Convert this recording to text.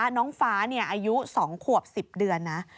น้องฟ้าอายุ๒ขวบ๑๐เดือนนะ